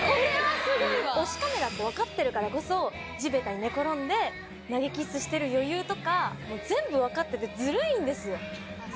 推しカメラって分かってるからこそ地べたに寝転んで投げキッスしてる余裕とか全部分かっててずるいんですよ。